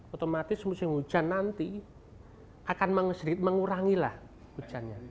otomatis musim hujan nanti akan mengurangilah hujannya